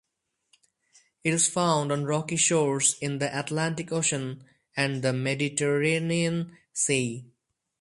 It is found on rocky shores in the Atlantic Ocean and the Mediterranean Sea.